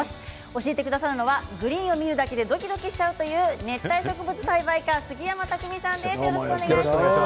教えてくださるのはグリーンを見るだけでドキドキしちゃうという熱帯植物栽培家杉山拓巳さんです。